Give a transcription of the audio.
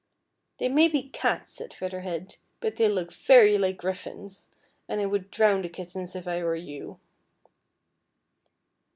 236 FEATHER HEAD. "They maybe cats," said Feather Head, " but they look very like griffins, and I would drown the kittens if I were you."